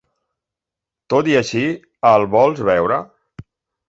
Tot i així, el vols veure?.